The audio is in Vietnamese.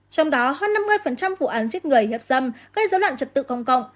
trong đó hơn năm mươi vụ án giết người hiếp dâm gây dối loạn trật tự công cộng